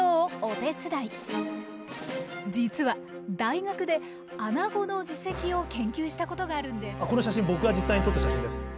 実は大学でアナゴの耳石を研究したことがあるんです。